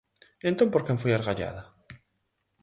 Entón, ¿por quen foi argallada?